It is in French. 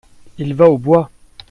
Il va au bois !